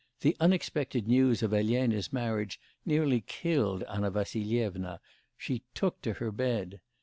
The unexpected news of Elena's marriage nearly killed Anna Vassilyevna. She took to her bed.